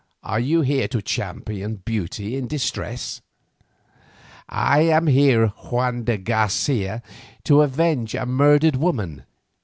Are you here to champion beauty in distress?" "I am here, Juan de Garcia, to avenge a murdered woman.